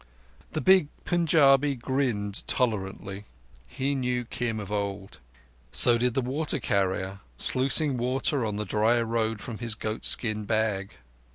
The big Punjabi grinned tolerantly: he knew Kim of old. So did the water carrier, sluicing water on the dry road from his goat skin bag.